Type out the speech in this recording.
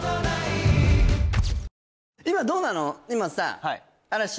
今どうなの？